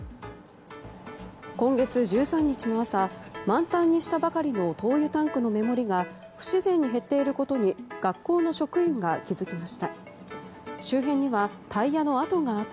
今月１３日の朝満タンにしたばかりの灯油タンクのメモリが不自然に減っていることに学校の職員が気付きました。